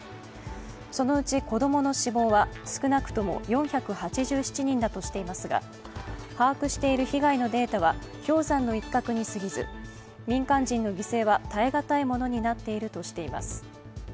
そのうち子供の死亡は少なくとも４８７人だとしていますが把握している被害のデータは氷山の一角にすぎず民間人の犠牲は耐えがたいものになっているとしています。